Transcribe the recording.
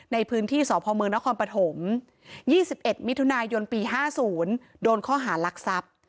ในพื้นที่สพมนครปฐม๒๑มิถุนายนปี๕๐โดนข้อหารักทรัพย์